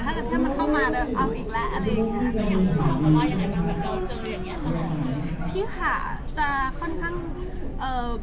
ก็ทันที่มันเข้ามาเอาอีกแล้วอะไรแบบนี้